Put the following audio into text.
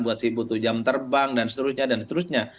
masih butuh jam terbang dan seterusnya